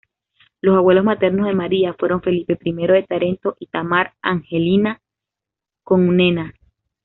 Los abuelos maternos de María fueron Felipe I de Tarento y Tamar Angelina Comnena.